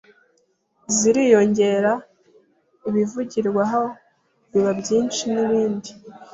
ziriyongera, ibizivugirwaho biba byinshi n’ibindi.